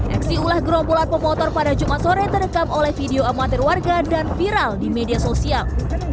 aksi ulah gerombolan pemotor pada jumat sore terekam oleh video amatir warga dan viral di media sosial